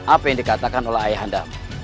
apa yang dikatakan oleh ayah anda